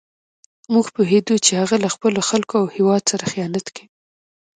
موږ پوهېدو چې هغه له خپلو خلکو او هېواد سره خیانت کوي.